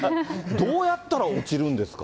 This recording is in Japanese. どうやったら落ちるんですか？